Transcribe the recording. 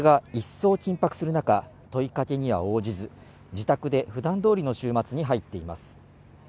情勢が一層緊迫する中、問いかけには応じず、自宅で普段通りの週末に入っています。